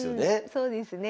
そうですね。